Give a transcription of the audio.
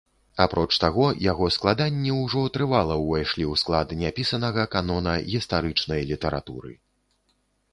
Апроч таго, яго складанні ўжо трывала ўвайшлі ў склад няпісанага канона гістарычнай літаратуры.